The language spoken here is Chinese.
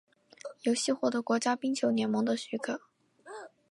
游戏获得国家冰球联盟的许可。